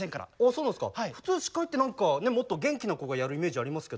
そうなんですか普通司会って何かもっと元気な子がやるイメージありますけどね。